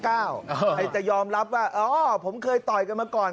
ใครจะยอมรับว่าโอ้ผมเคยคอยต่อมาก่อน